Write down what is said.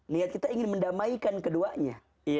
niat kita ingin mendamaikan keduanya